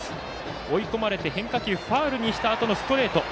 追い込まれて変化球ファウルにしたあとのストレート。